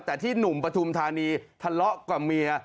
แต่ที่หนุ่มปฐุมธานีทะเลาะกับเมีย